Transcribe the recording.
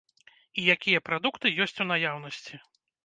І якія прадукты ёсць у наяўнасці.